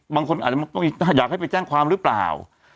บางคนอาจจะอยากให้ไปแจ้งความหรือเปล่า